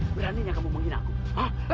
beraninya kamu mengginaku